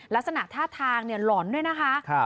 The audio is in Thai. ลักษณะท่าทางหล่อนด้วยนะคะ